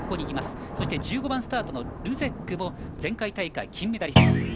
１５番スタートのルゼックも前回大会金メダリスト。